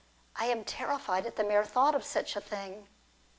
I am terrified at the mere thought of such a thing.